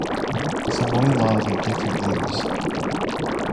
Samoylov in different years.